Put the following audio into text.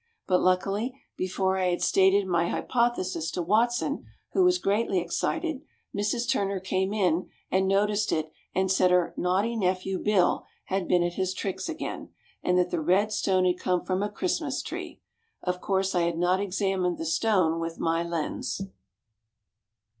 But luckily, before I had stated any hypothesis to Watson who was greatly excited Mrs Turner came in and noticed it and said her naughty nephew Bill had been at his tricks again, and that the red stone had come from a Christmas tree. Of course, I had not examined the stone with my lens.